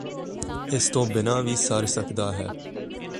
ਇਸ ਤੋਂ ਬਿਨਾ ਵੀ ਸਰ ਸਕਦਾ ਹੈ